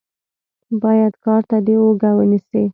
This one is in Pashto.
بايد کار ته دې اوږه ونيسې.